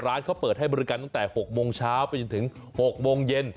ร้านเขาเปิดให้บริการตั้งแต่๖โมงเช้าไปจนถึง๖โมงเย็น